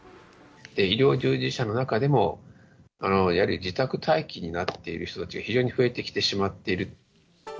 医療従事者の中でも、やはり自宅待機になっている人たちが非常に増えてきてしまっている。